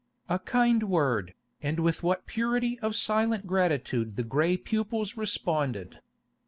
A kind word, and with what purity of silent gratitude the grey pupils responded!